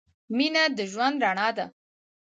مینه د ژوند رڼا ده.